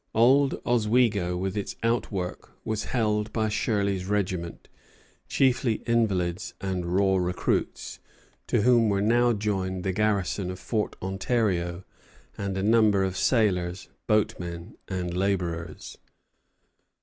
Old Oswego with its outwork was held by Shirley's regiment, chiefly invalids and raw recruits, to whom were now joined the garrison of Fort Ontario and a number of sailors, boatmen, and laborers.